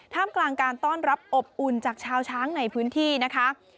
กลางการต้อนรับอบอุ่นจากชาวช้างในพื้นที่นะคะ